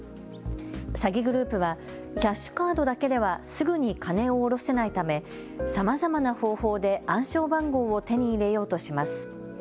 詐欺グループはキャッシュカードだけではすぐに金を下ろせないためさまざまな方法で暗証番号を手に入れようとします。